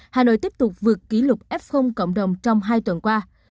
hà nội tiếp tục vượt kỷ lục f cộng đồng trong hai tuần qua